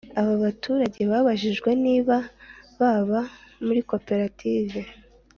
Abaturage babajijwe niba baba muri koperative